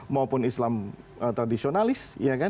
maupun islam tradisionalis